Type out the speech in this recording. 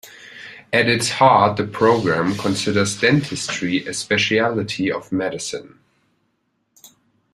At its heart, the program considers dentistry a specialty of medicine.